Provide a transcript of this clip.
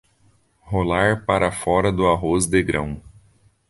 Rolar para fora do arroz de grão